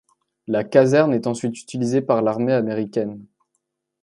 La caserne est ensuite utilisée par l’armée américaine.